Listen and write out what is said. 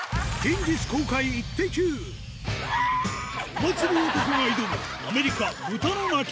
お祭り男が挑むアメリカあぁＯＫ！